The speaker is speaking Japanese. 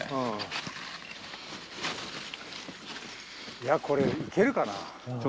いやこれ行けるかな？